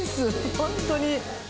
本当に。